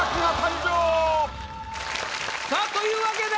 さぁというわけで。